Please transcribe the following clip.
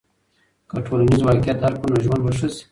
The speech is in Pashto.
که ټولنیز واقعیت درک کړو نو ژوند به ښه سي.